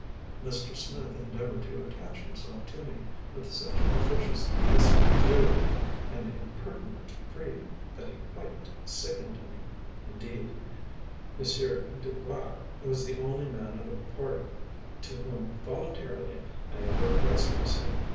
Mr. Smith endeavored to attach himself to me, with such officious assiduity and impertinent freedom that he quite sickened me. Indeed, M. Du Bois was the only man of the party to whom, voluntarily, I ever addressed myself.